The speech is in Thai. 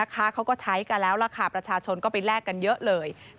เขาก็ใช้กันแล้วล่ะค่ะประชาชนก็ไปแลกกันเยอะเลย